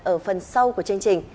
ở phần bình luận